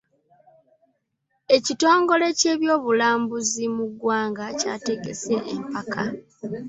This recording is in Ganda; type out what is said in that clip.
Ekitongole ky'ebyobulambuzi mu ggwanga kyategese empaka.